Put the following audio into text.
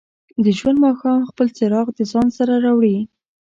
د ژوند ماښام خپل څراغ د ځان سره راوړي.